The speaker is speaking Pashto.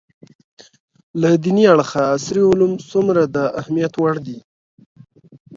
له دیني اړخه عصري علوم څومره د اهمیت وړ دي